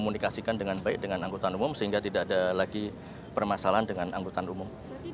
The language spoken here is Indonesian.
komunikasikan dengan baik dengan angkutan umum sehingga tidak ada lagi permasalahan dengan anggota umum